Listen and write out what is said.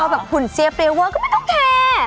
พอแบบผุ่นเซิฟเร้วก็ไม่ต้องแคร์